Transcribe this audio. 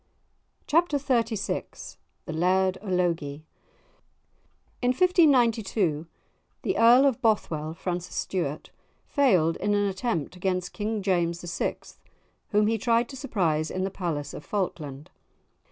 *Chapter XXXVI* *The Laird o' Logie* In 1592, the Earl of Bothwell, Francis Stuart, failed in an attempt against King James VI., whom he tried to surprise in the palace of Falkland.